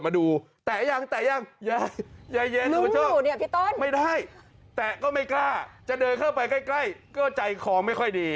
ไม่ได้แตะก็ไม่กล้าจะเดินเข้าไปใกล้ก็ใจขอมไม่ค่อยดี